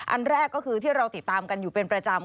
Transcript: อันแรกก็คือที่เราติดตามกันอยู่เป็นประจำ